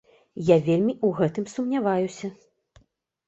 Я вельмі ў гэтым сумняваюся.